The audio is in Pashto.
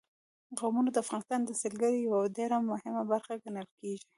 قومونه د افغانستان د سیلګرۍ یوه ډېره مهمه برخه ګڼل کېږي.